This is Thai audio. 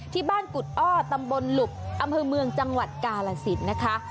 ที่บ้านกุฎอ้อตำบลหลุบอำเภอเมืองจังหวัดกาลสินนะคะ